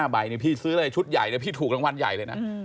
ใบนี่พี่ซื้อเลยชุดใหญ่เลยพี่ถูกรางวัลใหญ่เลยนะ